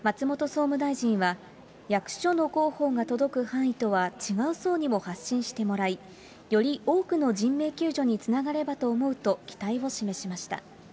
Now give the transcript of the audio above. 松本総務大臣は、役所の広報が届く範囲とは違う層にも発信してもらい、より多くの人命救助につながればと思うと期待を示しました。